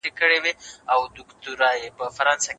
ښایي شاګرد د لوړ ږغ سره پاڼه ړنګه کړي.